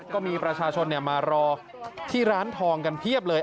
ก็มีประชาชนมารอที่ร้านทองกันเพียบเลย